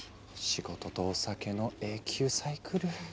仕事とお酒の永久サイクル。